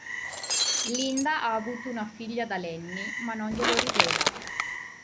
Linda ha avuto una figlia da Lenny, ma non glielo rivela.